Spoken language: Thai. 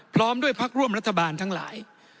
พร้อมด้วยพักร่วมรัฐบาลทั้งหลาย